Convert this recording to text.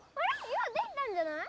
今できたんじゃない？